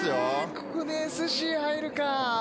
ここでＳＣ入るか。